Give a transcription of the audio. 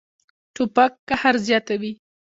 توپک قهر زیاتوي.